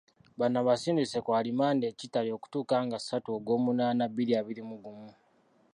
Bano abasindise ku alimanda e Kitalya okutuuka nga ssatu Ogwomunaana, bbiri abiri mu gumu.